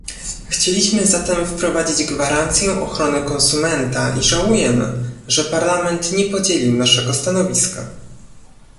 Chcieliśmy zatem wprowadzić gwarancję ochrony konsumenta i żałujemy, że Parlament nie podzielił naszego stanowiska